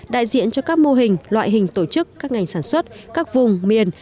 đại diện cho các mô hình loại hình tổ chức các ngành sản xuất các vùng miền